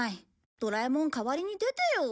ドラえもん代わりに出てよ。